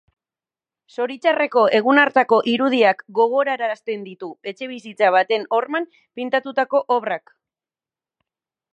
Zoritxarreko egun hartako irudiak gogorarazten ditu etxebizitza baten horman pintatutako obrak.